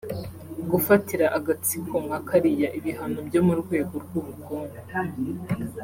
gufatira agatsiko nka kariya ibihano byo mu rwego rw’ubukungu